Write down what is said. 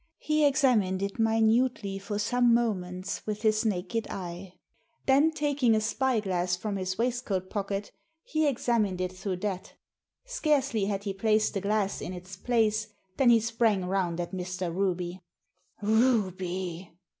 He examined it minutely for some Digitized by VjOOQIC THE DIAMONDS 201 moments with his naked eye. Then, taking a spy glass from his waistcoat pocket, he examined it through that. Scarcely had he placed the glass in its place than he sprang round at Mr. Ruby. Ruby